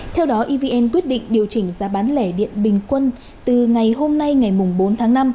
theo đó evn quyết định điều chỉnh giá bán lẻ điện bình quân từ ngày hôm nay ngày bốn tháng năm